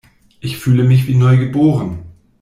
Ich fühle mich wie neugeboren.